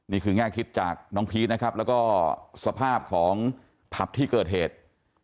แง่คิดจากน้องพีชนะครับแล้วก็สภาพของผับที่เกิดเหตุ